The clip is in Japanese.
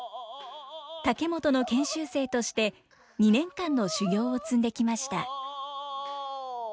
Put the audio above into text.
竹本の研修生として２年間の修業を積んできました。